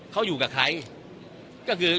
เขาอยู่กับใคร